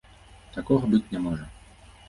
Такога быць не можа.